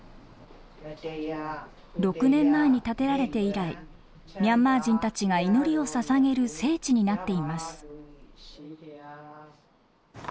６年前に建てられて以来ミャンマー人たちが祈りをささげる聖地になっています。